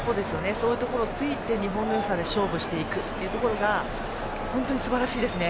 そういうところを突いて日本のよさで勝負していくところ本当にすばらしいですね。